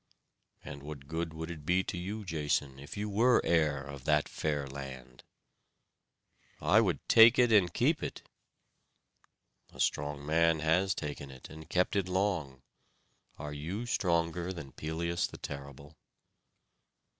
"And what good would it be to you, Jason, if you were heir of that fair land?" "I would take it and keep it." "A strong man has taken it and kept it long. Are you stronger than Pelias the terrible?"